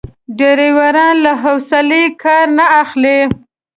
ډریوران له حوصلې کار نه اخلي.